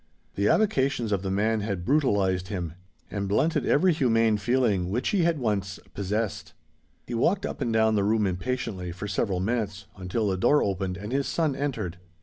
The avocations of the man had brutalized him, and blunted every humane feeling which he had once possessed. He walked up and down the room impatiently for several minutes, until the door opened and his son entered.